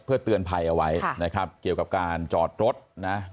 เพื่อเตือนภัยเอาไว้นะครับเกี่ยวกับการจอดรถนะ